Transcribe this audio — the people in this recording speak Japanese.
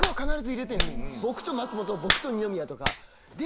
僕と松本僕と二宮とか。